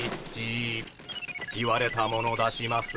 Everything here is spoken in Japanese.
言われたもの出します。